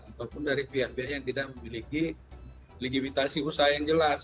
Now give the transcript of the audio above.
ataupun dari pihak pihak yang tidak memiliki legitasi usaha yang jelas